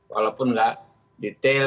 walaupun nggak detail